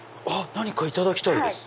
何かいただきたいです！